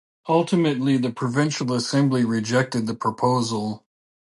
Ultimately the provincial assembly rejected the proposal.